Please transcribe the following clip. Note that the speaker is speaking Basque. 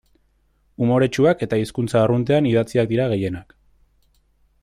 Umoretsuak eta hizkuntza arruntean idatziak dira gehienak.